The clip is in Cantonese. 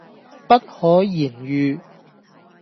不可言喻